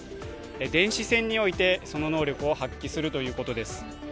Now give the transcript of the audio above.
電子戦において、その能力を発揮するということです。